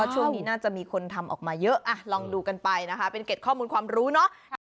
ช่วงนี้น่าจะมีคนทำออกมาเยอะลองดูกันไปนะคะเป็นเก็ดข้อมูลความรู้เนาะ